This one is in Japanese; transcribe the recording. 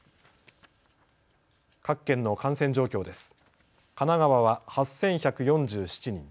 各県の感染状況です。